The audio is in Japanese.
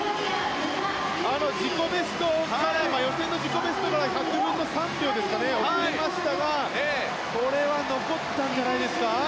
予選の自己ベストから１００分の３秒ですか遅れましたがこれは残ったんじゃないですか？